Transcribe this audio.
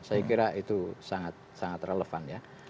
saya kira itu sangat relevan ya